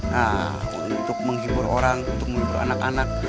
nah untuk menghibur orang untuk menghibur anak anak